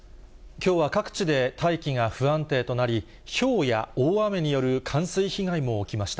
きょうは各地で大気が不安定となり、ひょうや大雨による冠水被害も起きました。